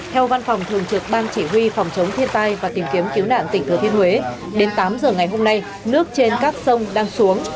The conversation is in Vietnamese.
theo văn phòng thường trực ban chỉ huy phòng chống thiên tai và tìm kiếm cứu nạn tỉnh thừa thiên huế đến tám giờ ngày hôm nay nước trên các sông đang xuống